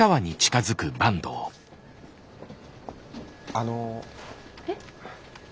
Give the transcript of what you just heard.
あの。えっ？